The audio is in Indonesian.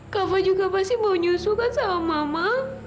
kava juga pasti mau nyusukan sama mama